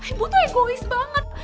ibu tuh egois banget